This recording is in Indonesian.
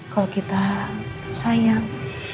kalau kita sayang